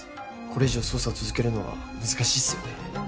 これ以上捜査を続けるのは難しいっすよね